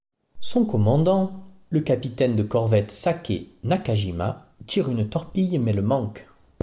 Son commandant, le capitaine de corvette Sakae Nakajima, tire une torpille mais le manque.